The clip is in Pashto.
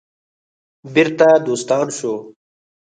بیرته دوستان شو.